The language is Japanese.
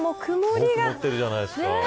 曇っているじゃないですか。